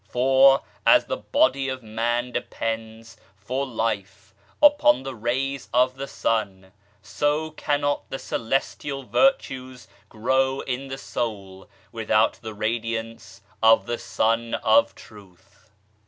For, as the body of man de pends, for life, upon the rays of the Sun, so cannot the Celestial Virtues grow in the soul without the radiance of the Sun of Truth.